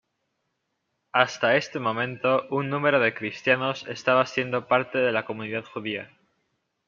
Hasta este momento un número de cristianos estaba siendo parte de la comunidad judía.